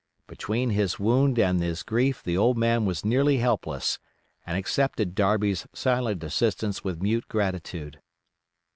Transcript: Between his wound and his grief the old man was nearly helpless, and accepted Darby's silent assistance with mute gratitude.